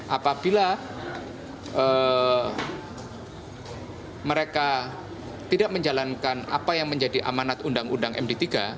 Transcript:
apabila mereka tidak menjalankan apa yang menjadi amanat undang undang md tiga